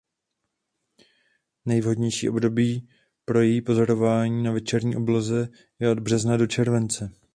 Nejvhodnější období pro její pozorování na večerní obloze je od března do července.